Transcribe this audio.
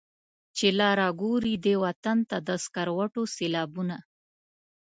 چي لا ګوري دې وطن ته د سکروټو سېلابونه.